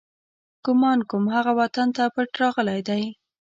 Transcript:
ګمان کوم، هغه وطن ته پټ راغلی دی.